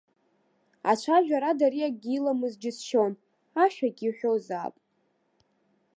Ацәажәарада ари акгьы иламыз џьысшьон, ашәагьы иҳәозаап.